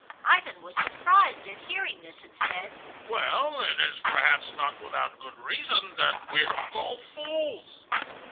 Ivan was surprised at hearing this, and said: "Well, it is perhaps not without good reason that we are called fools."